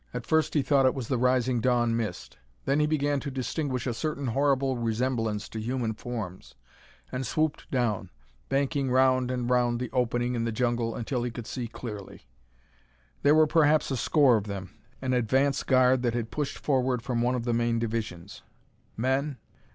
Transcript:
At first he thought it was the rising dawn mist; then he began to distinguish a certain horrible resemblance to human forms, and swooped down, banking round and round the opening in the jungle until he could see clearly. There were perhaps a score of them, an advance guard that had pushed forward from one of the main divisions. Men?